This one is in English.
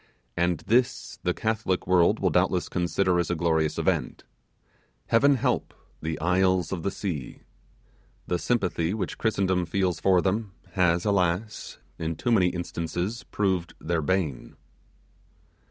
and this the Catholic world will doubtless consider as a glorious event. Heaven help the 'Isles of the Sea'! The sympathy which Christendom feels for them, has, alas! in too many instances proved their bane.